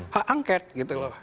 hak angket gitu loh